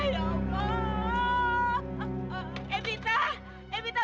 ya udah kita bisa